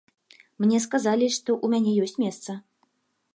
Мне сказалі, што ў мяне ёсць месца.